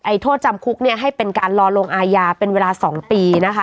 โทษจำคุกเนี่ยให้เป็นการรอลงอาญาเป็นเวลา๒ปีนะคะ